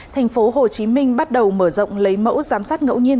thành phố hồ chí minh bắt đầu mở rộng lấy mẫu giám sát ngẫu nhiên